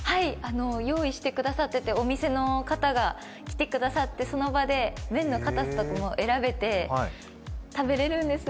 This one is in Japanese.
用意してくださっててお店の方が来てくださってその場で麺のかたさとかも選べて食べられるんです。